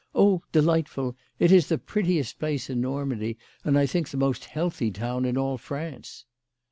" Oh, delightful. It is the prettiest place in Normandy, and I think the most healthy town in all France."